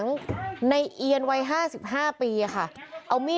โดนฟันเละเลย